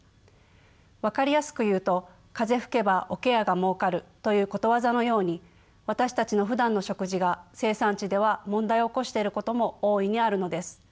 分かりやすく言うと「風吹けば桶屋がもうかる」ということわざのように私たちのふだんの食事が生産地では問題を起こしていることも大いにあるのです。